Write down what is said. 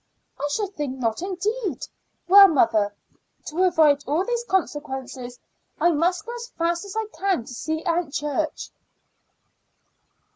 "I should think not, indeed. Well, mother, to avoid all these consequences I must go as fast as I can to see Aunt Church."